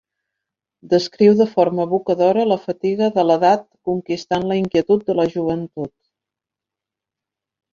Descriu de forma evocadora la fatiga de l'edat conquistant la inquietud de la joventut.